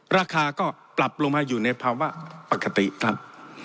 ราคาก็ปรับลงมาอยู่ในภาวะปกติครับ